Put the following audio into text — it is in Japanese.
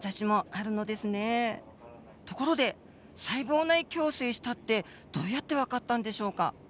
ところで細胞内共生したってどうやって分かったんでしょうか。